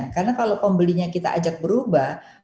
karena kalau pembelinya kita ajak berubah